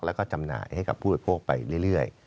แล้วก็จำหน่ายให้กับผู้บริโภคไปเรื่อย